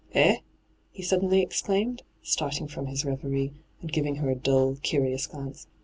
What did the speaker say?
' Eh V he suddenly exclaimed, starting from his reverie and giving her a dull, curious glance.